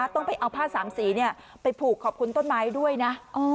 ต้องไปเอาผ้าสามสีไปผูกขอบคุณต้นไม้ด้วยนะ